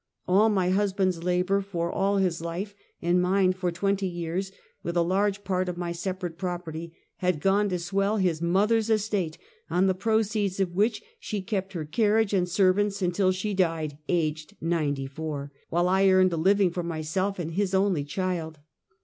All my husband's labor for all his life, and mine for twenty years, with a large part of my separate propert^'^, had gone to swell his moth er's estate, on the proceeds of which she kept her car riage and servants until she died, aged ninety four, while I earned a living for myself and his onl}' child.